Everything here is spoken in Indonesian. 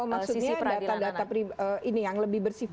oh maksudnya data data ini yang lebih bersifat